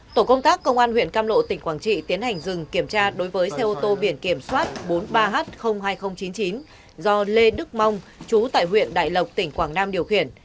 tổ công tác công an huyện cam lộ tỉnh quảng trị tiến hành dừng kiểm tra đối với xe ô tô biển kiểm soát bốn mươi ba h hai nghìn chín mươi chín do lê đức mong chú tại huyện đại lộc tỉnh quảng nam điều khiển